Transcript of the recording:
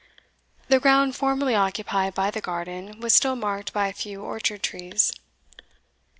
The ground formerly occupied by the garden was still marked by a few orchard trees.